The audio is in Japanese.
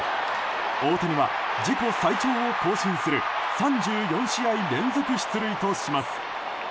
大谷は自己最長を更新する３４試合連続出塁とします。